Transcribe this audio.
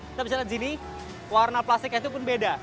kita bisa lihat di sini warna plastiknya itu pun beda